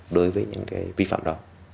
đối với những vi phạm đó